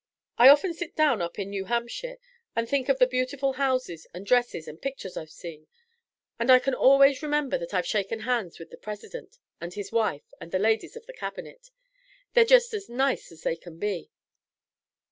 I often sit down up in New Hampshire and think of the beautiful houses and dresses and pictures I've seen, and I can always remember that I've shaken hands with the President and his wife and the ladies of the Cabinet. They're just as nice as they can be."